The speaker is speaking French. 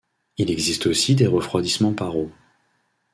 Il existe aussi des refroidissements par eau.